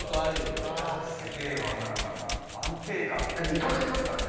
２個いってますからね。